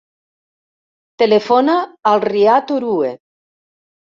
Telefona al Riad Orue.